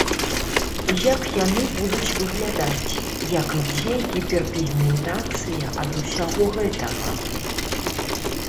Як яны будуць выглядаць, як ідзе гіперпігментацыя ад усяго гэтага.